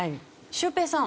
シュウペイさん。